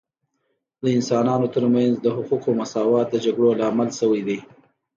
د انسانانو ترمنځ د حقوقو مساوات د جګړو لامل سوی دی